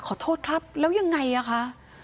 ขอโทษครับแล้วยังไงอ่ะคะ